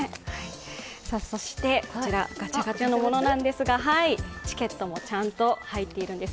こちら、ガチャガチャのものなんですがチケットもちゃんと入っているんです。